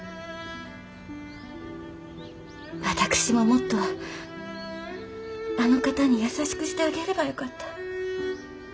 私ももっとあの方に優しくしてあげればよかった。